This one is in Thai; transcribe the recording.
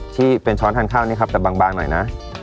ที่เป็นช้อนทานข้าวนี้ครับแต่บางหน่อยนะ